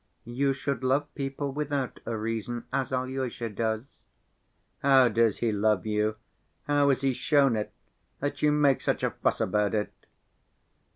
"You should love people without a reason, as Alyosha does." "How does he love you? How has he shown it, that you make such a fuss about it?"